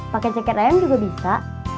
pakai jaket ayam juga bisa